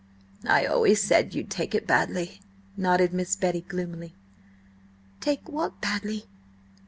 "I always said you'd take it badly," nodded Miss Betty gloomily. "Take what badly?"